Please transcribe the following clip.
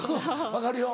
分かるよ